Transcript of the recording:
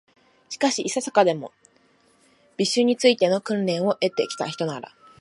しかし、いささかでも、美醜に就いての訓練を経て来たひとなら、